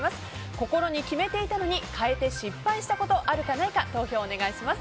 心に決めていたのに変えて失敗したことあるかないか投票をお願いします。